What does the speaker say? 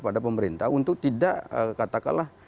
pada pemerintah untuk tidak katakanlah